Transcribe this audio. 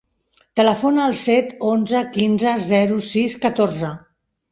Telefona al set, onze, quinze, zero, sis, catorze.